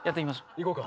いこうか。